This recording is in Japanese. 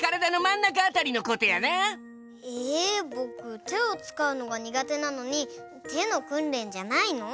ぼくてをつかうのがにがてなのにてのくんれんじゃないの？